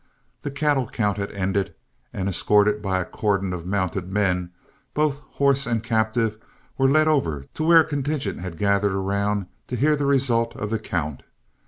The cattle count had ended, and escorted by a cordon of mounted men, both horse and captive were led over to where a contingent had gathered around to hear the result of the count.